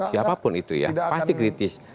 siapapun itu ya pasti kritis